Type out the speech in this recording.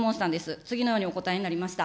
次のようにお答えになりました。